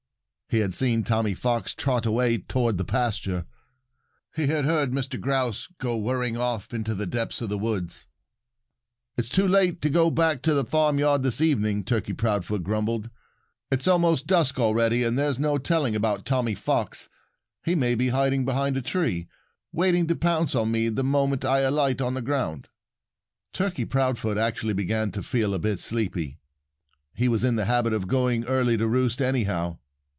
He had seen Tommy Fox trot away toward the pasture. He had heard Mr. Grouse go whirring off into the depths of the woods. "It's too late to go back to the farmyard this evening," Turkey Proudfoot grumbled. "It's almost dusk already. And there's no telling about Tommy Fox. He may be hiding behind a tree, ready to pounce on me the moment I alight on the ground." Turkey Proudfoot actually began to feel a bit sleepy. He was in the habit of going early to roost anyhow.